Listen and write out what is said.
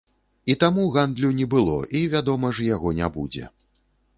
І таму гандлю не было, і, вядома ж, яго не будзе.